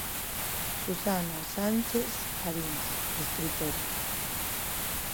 Susana Sanches Arins, escritora.